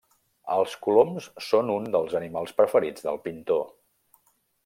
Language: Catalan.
Els coloms són uns dels animals preferits del pintor.